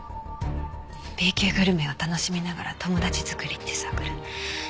Ｂ級グルメを楽しみながら友達作りってサークル。